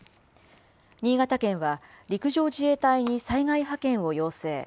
新潟県は陸上自衛隊に災害派遣を要請。